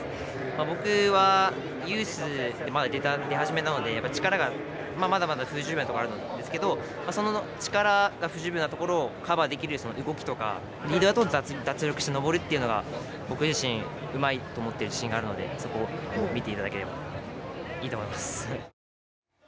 僕は、ユースで出始めなので力がまだまだ不十分なところがあるんですけどその力が不十分なところをカバーできる動きとかリードだと脱力して登るというのが僕自身うまいと思っている自信があるのでそこを見ていただければいいと思います。